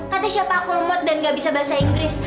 kata siapa aku lemot dan gak bisa bahasa inggris